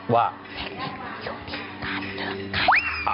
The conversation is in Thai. ว่าเทคนิคโยที่การเลือกไก่